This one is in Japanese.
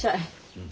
うん。